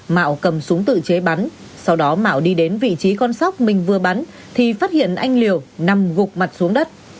mạo cầm súng tự chế bắn sau đó mạo đi đến vị trí con sóc mình vừa bắn thì phát hiện anh liều nằm gục mặt xuống đất